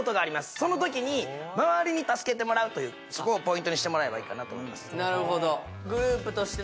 そのときに周りに助けてもらうというそこをポイントにしてもらえばいいかなと思います